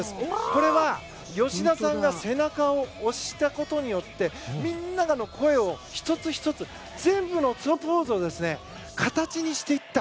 これは吉田さんが背中を押したことによってみんなが声を一つ一つ、全部のポーズを形にしていった。